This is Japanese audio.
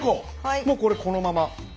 もうこれこのまま。